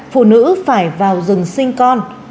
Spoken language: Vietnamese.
phụ nữ phải vào rừng sinh con